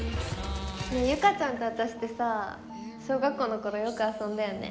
結佳ちゃんとあたしってさ小学校の頃よく遊んだよね。